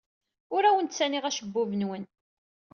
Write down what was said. Ur awen-ttaniɣ acebbub-nwen.